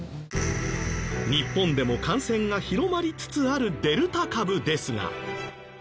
日本でも感染が広まりつつあるデルタ株ですが。